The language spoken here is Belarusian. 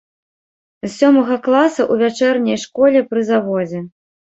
З сёмага класа ў вячэрняй школе пры заводзе.